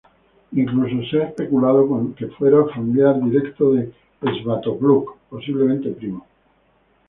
Incluso se ha especulado con que fuera familiar directo de Svatopluk, posiblemente primo.